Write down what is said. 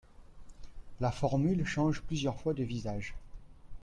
La formule change plusieurs fois de visage.